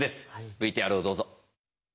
ＶＴＲをどうぞ。